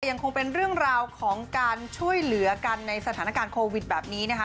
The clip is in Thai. ยังคงเป็นเรื่องราวของการช่วยเหลือกันในสถานการณ์โควิดแบบนี้นะคะ